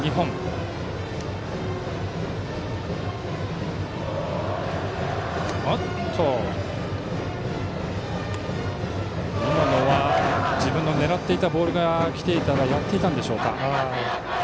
今のバントの構えは自分の狙っていたボールが来ていたらやっていたんでしょうか。